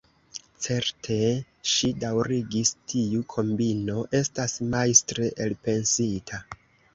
Certe, ŝi daŭrigis, tiu kombino estas majstre elpensita.